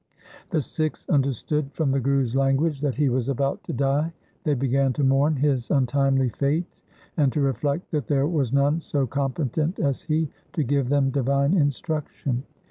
The Sikhs understood from the Guruls language that he was about to die. They began to mourn his untimely fate and to reflect that there was none so competent as he to give them divine instruction.